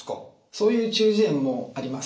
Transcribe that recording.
そういう中耳炎もあります。